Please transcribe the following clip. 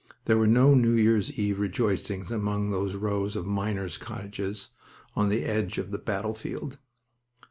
There were no New Year's eve rejoicings among those rows of miners' cottages on the edge of the battlefield.